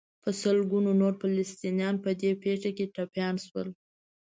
په سلګونو نور فلسطینیان په دې پېښه کې ټپیان شول.